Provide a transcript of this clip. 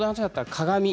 鏡